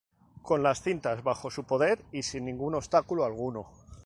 Con las cintas bajo su poder y sin ningún obstáculo alguno.